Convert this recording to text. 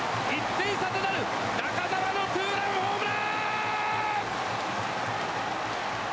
１点差となる中沢のツーランホームラン！！